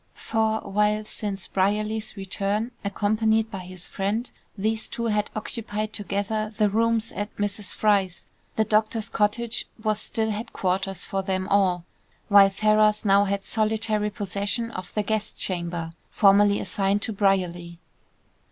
For while since Brierley's return, accompanied by his friend, these two had occupied together the rooms at Mrs. Fry's, the doctor's cottage was still headquarters for them all, while Ferrars now had solitary possession of the guest chamber, formerly assigned to Brierly.